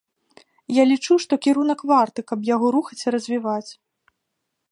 Я лічу, што кірунак варты, каб яго рухаць і развіваць.